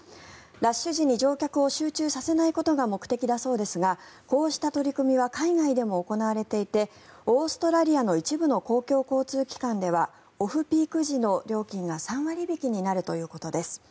ラッシュ時に乗客を集中させないことが目的だそうですがこうした取り組みは海外でも行われていてオーストラリアの一部の公共交通機関ではオフピーク時の料金が３割引きになるということです。